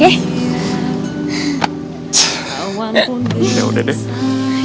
eh yaudah deh